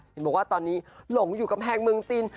เห็นบอกว่าตอนนี้หลงอยู่กำแพงเมืองจีน